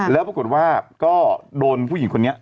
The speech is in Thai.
แล้วปรากฏว่าก็โดนผู้หญิงคนนี้